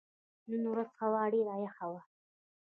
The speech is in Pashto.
نن ورځ هوا ډېره یخه وه.